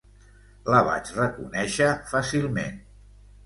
La vaig reconéixer fàcilment.